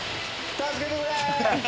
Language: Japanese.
助けてくれ！